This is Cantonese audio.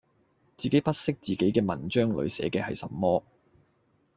自己不悉自己嘅文章裡寫嘅係什麼